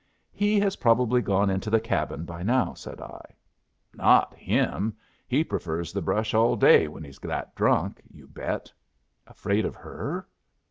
"He has probably gone into the cabin by now," said I. "Not him! He prefers the brush all day when he's that drunk, you bet!" "Afraid of her?"